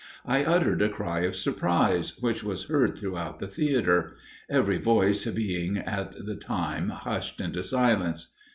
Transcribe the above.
I uttered a cry of surprise, which was heard throughout the theatre; every voice being at the time hushed into silence.